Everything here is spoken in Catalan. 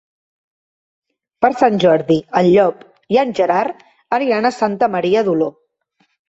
Per Sant Jordi en Llop i en Gerard aniran a Santa Maria d'Oló.